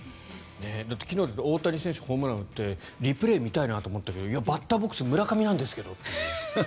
だって昨日は大谷選手がホームランを打ってリプレーを見たいなと思ったけどバッターボックス村上なんですけどって。